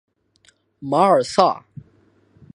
马尔萨。